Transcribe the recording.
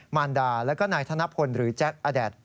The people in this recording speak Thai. มารดาแล้วก็นายธนพลหรือแจ็คอแดด